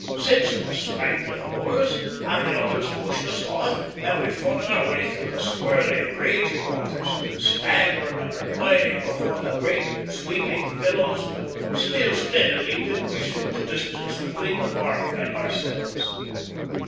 Six of us sprang to the oars, the others pushed us off, and we fought our way through the swirling, raging waters, staggering and recoiling before the great, sweeping billows, but still steadily decreasing the distance between the barque and ourselves.